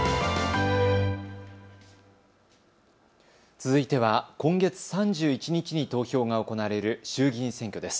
続いては今月３１日に投票が行われる衆議院選挙です。